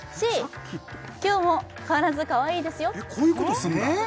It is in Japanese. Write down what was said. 今日も変わらずかわいいですよえっ